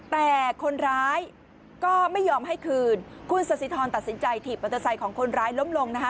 แต่คนร้ายก็ไม่ยอมให้คืนคุณสสิทรตัดสินใจถีบมอเตอร์ไซค์ของคนร้ายล้มลงนะคะ